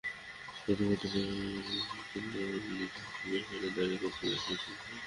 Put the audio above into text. সতর্কবার্তা পেয়ে নারাইন তাই নিজে থেকেই সরে দাঁড়িয়ে কাজ করছিলেন অ্যাকশন শোধরানোর।